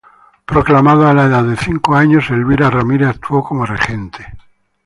Proclamado a la edad de cinco años, Elvira Ramírez actuó como regente.